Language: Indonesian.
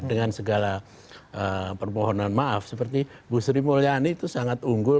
dengan segala permohonan maaf seperti bu sri mulyani itu sangat unggul